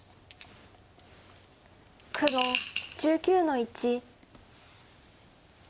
黒１９の一。